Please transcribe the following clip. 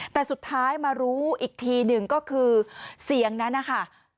แต่สุดท้ายมารู้อีกทีหนึ่งก็คือเสียงนั้นนะคะ